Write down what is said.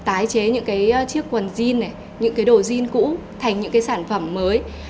tái chế những chiếc quần jean này những đồ jean cũ thành những sản phẩm mới